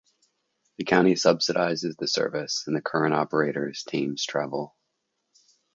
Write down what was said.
The county subsidises the service, and the current operator is Thames Travel.